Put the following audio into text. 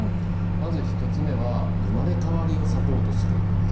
まず、１つ目は生まれ変わりをサポートする。